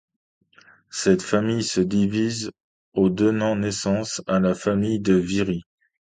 Cette famille se divise au donnant naissance à la famille de Viry.